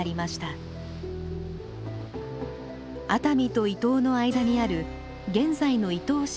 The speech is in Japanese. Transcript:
熱海と伊東の間にある現在の伊東市宇佐美地区です。